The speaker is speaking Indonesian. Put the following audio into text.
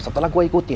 setelah gue ikutin